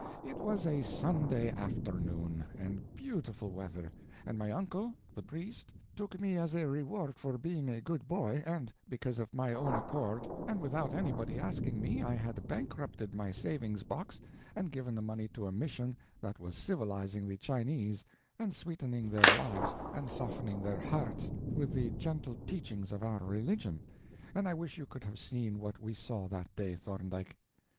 It was a Sunday afternoon, and beautiful weather, and my uncle, the priest, took me as a reward for being a good boy and because of my own accord and without anybody asking me I had bankrupted my savings box and given the money to a mission that was civilizing the Chinese and sweetening their lives and softening their hearts with the gentle teachings of our religion, and I wish you could have seen what we saw that day, Thorndike.